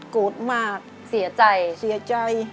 โกรธมากเสียใจเสียใจ